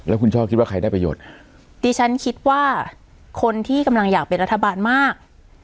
คุณช่อคิดว่าใครได้ประโยชน์ดิฉันคิดว่าคนที่กำลังอยากเป็นรัฐบาลมาก